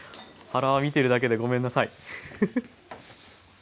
原は見てるだけでごめんなさい。